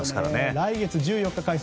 来月１４日開催。